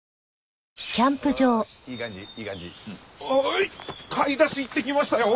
はい買い出し行ってきましたよ。